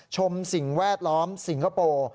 ชมสิ่งแวดล้อมสิงคโปร์